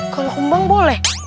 kalau kumbang boleh